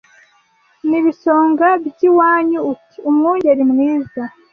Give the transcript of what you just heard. N’Ibisonga by’iwanyu Uti: Umwungeri mwiza